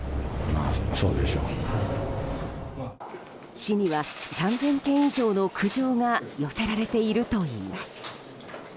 市には３０００件以上の苦情が寄せられているといいます。